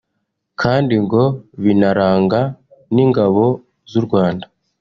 kandi ngo binaranga n’ingabo z’u Rwanda